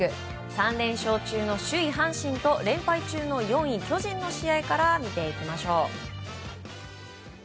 ３連勝中の首位、阪神と連敗中の４位、巨人の試合から見ていきましょう。